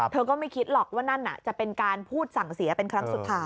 ก็ไม่คิดหรอกว่านั่นจะเป็นการพูดสั่งเสียเป็นครั้งสุดท้าย